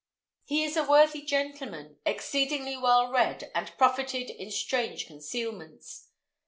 He is a worthy gentleman, Exceedingly well read, and profited In strange concealments.